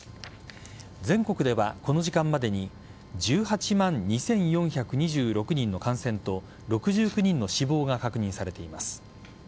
全国ではこの時間までに１８万２４２６人の感染と６９人の死亡が確認されています。